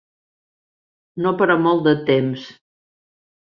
No per a molt de temps.